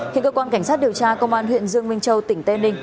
hiện cơ quan cảnh sát điều tra công an huyện dương minh châu tỉnh tây ninh